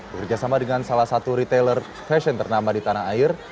bekerjasama dengan salah satu retailer fashion ternama di tanah air